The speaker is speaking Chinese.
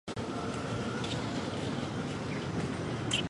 国际私法有狭义与广义的。